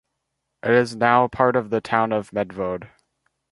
It is now part of the town of Medvode.